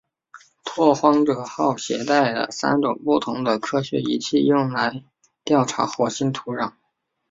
拓荒者号携带了三种不同的科学仪器用来调查火星土壤。